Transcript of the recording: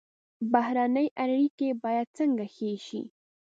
بهرنۍ اړیکې باید څنګه ښې شي؟